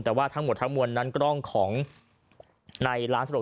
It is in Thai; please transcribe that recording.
แต่ว่าทั้งหมดทั้งหมวนนั้นกล้องของใหม่